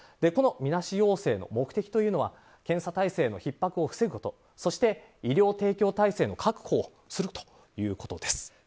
このみなし陽性の目的は検査体制のひっ迫を防ぐことそして、医療提供体制を確保することということです。